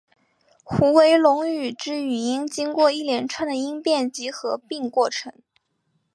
虎尾垄语之语音经过一连串的音变及合并过程。